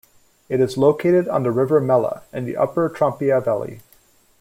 It is located on the river Mella, in the upper Trompia valley.